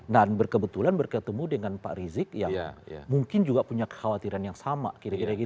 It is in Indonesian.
dan berkebetulan berketemu dengan pak rizieq yang mungkin juga punya kekhawatiran yang sama kira kira gitu